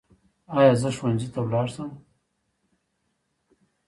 ایا زه ښوونځي ته لاړ شم؟